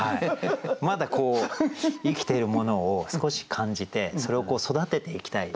まだ生きているものを少し感じてそれを育てていきたい。